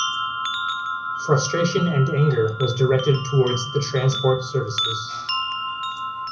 Frustration and anger was directed towards the transport services.